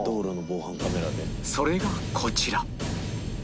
それがこちら